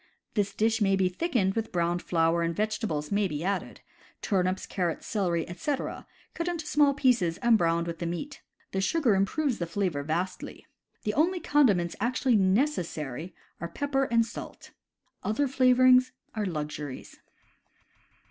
This dish may be thickened with browned flour, and vegetables may be added — turnips, carrots, celery, etc., cut into small pieces and browned with the meat. The sugar improves the flavor vastly. The only condiments actually necessary are pepper and salt. Other flavorings are luxuries.